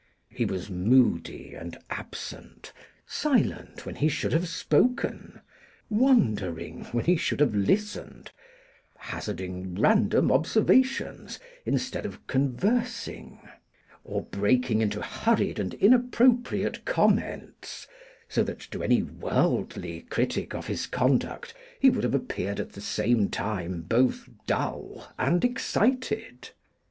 He was moody and absent, silent when he should have spoken, wandering when he should have listened, hazarding random observations instead of conversing, or breaking into hurried and inappropriate comments; so that to any worldly critic of his conduct he would have appeared at the same time both dull and excited.